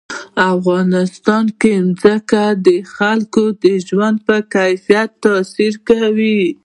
افغانستان کې ځمکه د خلکو د ژوند په کیفیت تاثیر کوي.